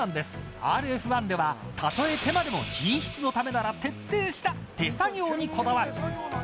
ＲＦ−１ではたとえ手間でも品質のためなら徹底した手作業にこだわる。